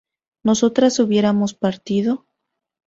¿nosotras hubiéramos partido?